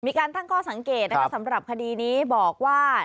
มีการตั้งข้อสังเกตนะคะสำหรับคดีนี้บอกว่า